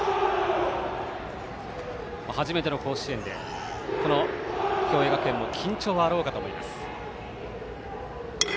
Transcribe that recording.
初めての甲子園で共栄学園も緊張はあろうかと思います。